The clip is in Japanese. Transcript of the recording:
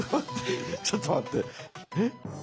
ちょっと待ってえ。